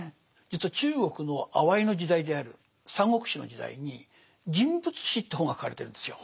実は中国のあわいの時代である「三国志」の時代に「人物志」という本が書かれてるんですよ。